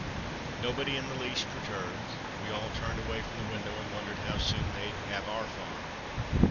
Nobody in the least perturbed; we all turned away from the window and wondered how soon they'd "have our farm."